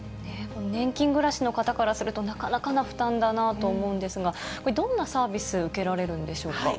年金暮らしの方からすると、なかなかな負担だなと思うんですが、これ、どんなサービス受けられるんでしょうか。